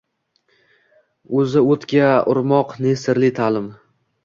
O‘zni o‘tga urmoq ne sirli ta’lim?!